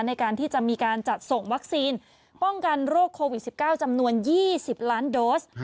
ในการที่จะมีการจัดส่งวัคซีนป้องกันโรคโควิด๑๙จำนวน๒๐ล้านโดส